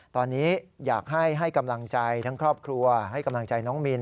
ตอนนี้อยากให้กำลังใจทั้งครอบครัวให้กำลังใจน้องมิน